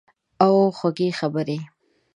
او خوږې خبرې